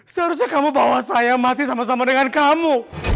seharusnya kamu bawa saya mati sama sama dengan kamu